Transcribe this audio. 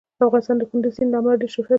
افغانستان د کندز سیند له امله ډېر شهرت لري.